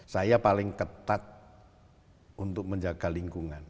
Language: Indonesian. saya paling ketat untuk menjaga lingkungan